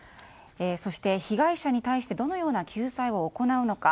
そして、被害者に対してどのような救済を行うのか。